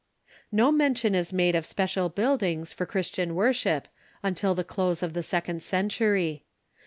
No mention is made of special buildings for Christian wor ship till the close of the second century.